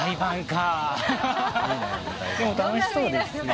でも楽しそうですね。